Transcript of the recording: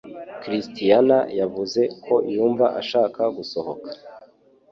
christiana yavuze ko yumva ashaka gusohoka.